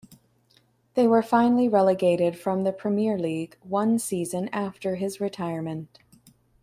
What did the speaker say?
They were finally relegated from the Premier League one season after his retirement.